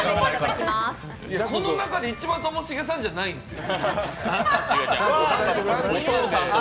この中で一番ともしげさんじゃないんですよ。